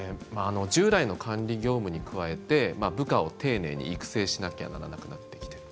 従来の管理業務に加えて部下を丁寧に育成しなきゃならなくなってきている。